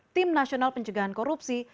tim nasional pencegahan korupsi